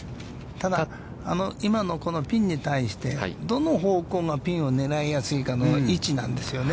ただ、今のピンに対して、どの方向がピンを狙いやすいかの位置なんですよね。